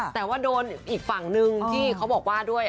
แต่ว่าโดนอีกฝั่งนึงที่เขาบอกว่าด้วย